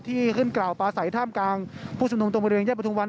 ที่ขึ้นกล่าวปลาใสท่ามกลางผู้ชุมนุมตรงบริเวณแยกประทุมวัน